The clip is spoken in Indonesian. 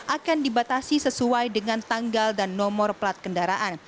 akan dibatasi sesuai dengan tanggal dan nomor plat kendaraan